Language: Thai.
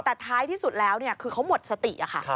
แต่ท้ายที่สุดแล้วคือเขาหมดสติค่ะ